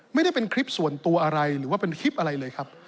ไม่ได้เป็นคลิปส่วนตัวอะไรหรือว่าเป็นคลิปอะไรเลยครับ